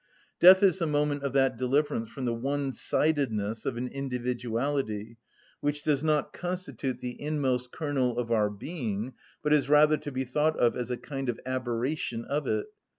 (33) Death is the moment of that deliverance from the one‐sidedness of an individuality which does not constitute the inmost kernel of our being, but is rather to be thought of as a kind of aberration of it.